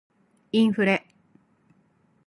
インフレ